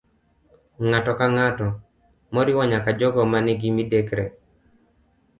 Ng'ato ka ng'ato, moriwo nyaka jogo ma nigi midekre